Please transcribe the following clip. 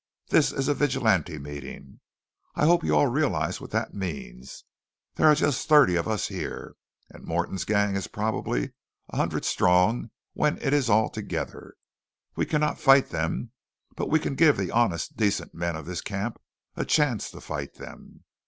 "This is a Vigilante meeting. I hope you all realize what that means. There are just thirty of us here; and Morton's gang is probably a hundred strong when it is all together. We cannot fight them; but we can give the honest, decent men of this camp a chance to fight them.